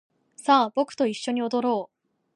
さあ僕と一緒に踊ろう